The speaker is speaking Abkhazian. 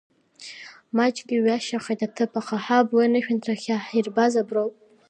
Маҷк иҩашьахьеит аҭыԥ, аха ҳаб уи анышәынҭра ахьаҳирбаз аброуп.